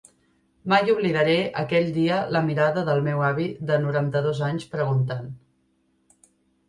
Mai oblidaré aquell dia la mirada del meu avi de noranta-dos anys preguntant.